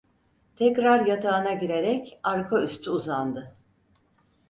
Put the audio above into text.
Tekrar yatağına girerek, arka üstü uzandı.